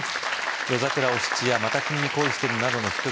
夜桜お七やまた君に恋してるなどのヒ